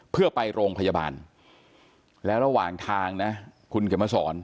เพื่อไปโรงพยาบาลแล้วระหว่างทางนะคุณเขียนมาสอน